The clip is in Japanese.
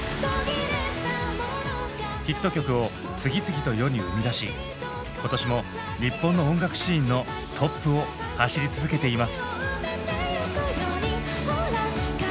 ヒット曲を次々と世に生み出し今年も日本の音楽シーンのトップを走り続けています。